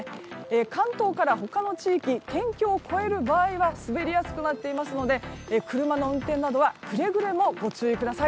関東から他の地域県境を越える場合は滑りやすくなっていますので車の運転などはくれぐれもご注意ください。